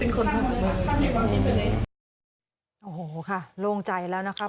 แต่ตอนเดินออกมาเห็นมากก็ป่าแม่พีค